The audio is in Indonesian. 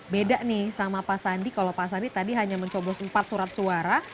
beda nih sama pak sandi kalau pak sandi tadi hanya mencoblos empat surat suara